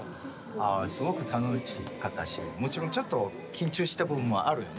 ああすごく楽しかったしもちろんちょっと緊張した部分もあるよね。